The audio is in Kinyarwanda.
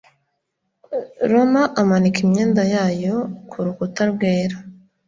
Roma amanika imyenda yayo kurukuta rwera